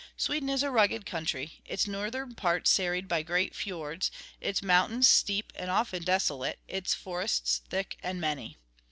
Sweden is a rugged country, its northern part serried by great fiords, its mountains steep and often desolate, its forests thick and many.